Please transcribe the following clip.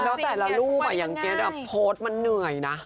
แล้วแต่ละรูปอย่างเก็ตโพสต์มันเหนื่อยนะ